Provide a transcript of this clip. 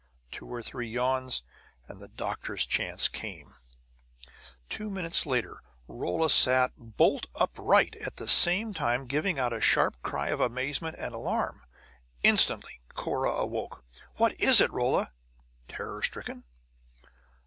Two or three yawns, and the doctor's chance came. Two minutes later Rolla sat bolt upright, at the same time giving out a sharp cry of amazement and alarm. Instantly Cunora awoke. "What is it, Rolla?" terror stricken.